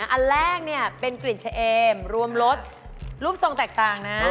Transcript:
อันแรกเป็นกลิ่นเฉเอมรวมรสรูปทรงแตกต่างนะ